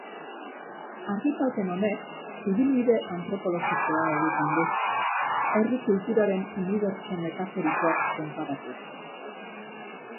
Argitalpen honek ibilbide antropologikoa egiten du, herri kulturaren unibertso metaforikoak konparatuz.